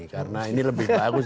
karena ini lebih bagus